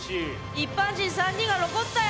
一般人３人が残ったよ。